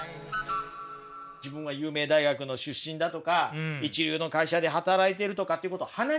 自分は有名大学の出身だとか一流の会社で働いてるとかっていうことを鼻にかける人いるじゃないですか。